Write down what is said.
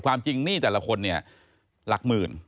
ความจริงหนี้แต่ละคนเนี่ยหลักหมื่น